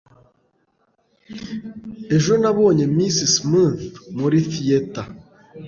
ejo nabonye miss smith muri theatre